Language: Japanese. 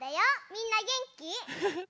みんなげんき？